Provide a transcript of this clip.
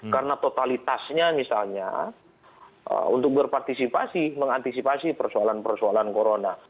karena totalitasnya misalnya untuk berpartisipasi mengantisipasi persoalan persoalan corona